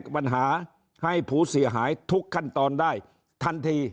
ปัญหาให้ผู้เสียหายทุกขั้นตอนได้ทันที